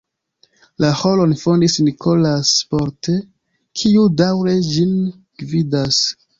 La ĥoron fondis "Nicolas Porte", kiu daŭre ĝin gvidas.